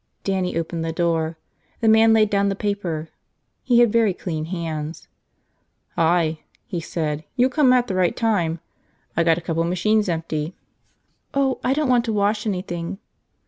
Dannie opened the door. The man laid down the paper. He had very clean hands. "Hi," he said. "You come at the right time. I got a couple machines empty." "Oh, I don't want to wash anything!"